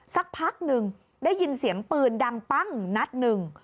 สักพักหนึ่งได้ยินเสียงปืนดังปั้งนัดหนึ่ง